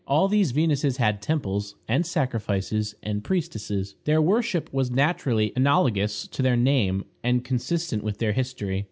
All these Venuses had temples, and sacrifices, and priestesses. Their worship was naturally analogous to their name, and consistent with their history.